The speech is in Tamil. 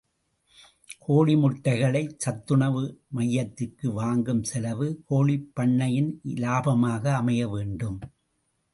கோழி முட்டைகளைச் சத்துணவு மையத்திற்கு வாங்கும் செலவு, கோழிப் பண்ணையின் இலாபமாக அமைய வேண்டும்.